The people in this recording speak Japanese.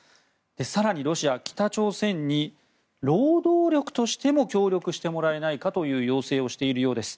更に、ロシアは北朝鮮に労働力としても協力してもらえないかという要請をしているようです。